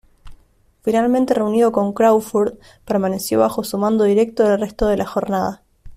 Finalmente reunido con Craufurd, permaneció bajo su mando directo el resto de la jornada.